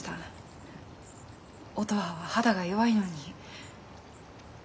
乙葉は肌が弱いのに。